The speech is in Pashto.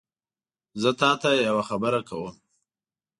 زه تاته یوه خبره کوم